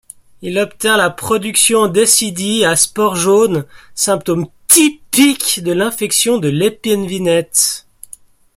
Il obtint la production d'écidies à spore jaune, symptôme typique de l'infection de l'épine-vinette.